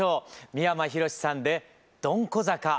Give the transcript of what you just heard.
三山ひろしさんで「どんこ坂」。